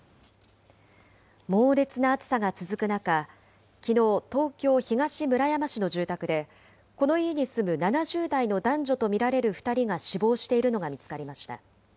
猛烈な暑さが続く中、きのう、東京・東村山市の住宅で、この家に住む７０代の男女と見られる２人が死亡しているのが見つかりました。